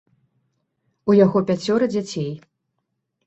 У яго пяцёра дзяцей.